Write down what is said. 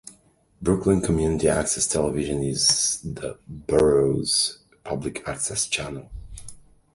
Brooklyn Community Access Television is the borough's public access channel.